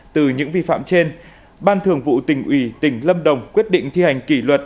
từ những vi phạm trên ban thường vụ tỉnh ủy tỉnh lâm đồng quyết định thi hành kỷ luật